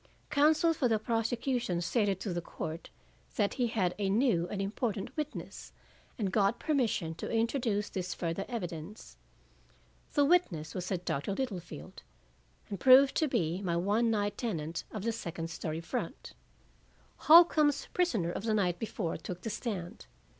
Counsel for the prosecution stated to the court that he had a new and important witness, and got permission to introduce this further evidence. The witness was a Doctor Littlefield, and proved to be my one night tenant of the second story front. Holcombe's prisoner of the night before took the stand.